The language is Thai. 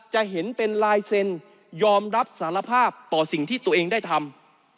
จะเห็นเป็นลายเซ็นยอมรับสารภาพต่อสิ่งที่ตัวเองได้ทำ